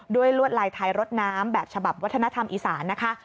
ลวดลายท้ายรถน้ำแบบฉบับวัฒนธรรมอีสานนะคะ